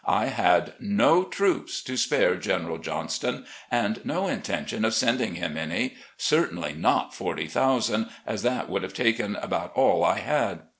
I had no troops to spare General Johnston and no intention of sending him any — certainly not forty thousand, as that would have taken about all I had.